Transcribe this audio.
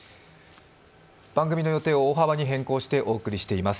番組の予定を大幅に変更してお送りしています。